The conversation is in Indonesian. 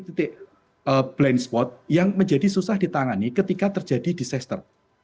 titik blind spot yang menjadi susah ditangani ketika terjadi disaster